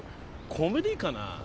コメディーかな？